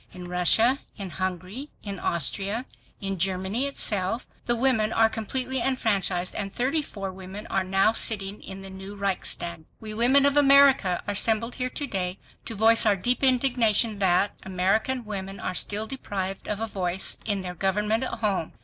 In Russia, in Hungary, in Austria, in Germany itself, the women are completely enfranchised, and thirty four women are now sitting in the new Reichstag. We women of America are assembled here to day to voice our deep indignation that ... American women are still deprived of a voice in their government at home.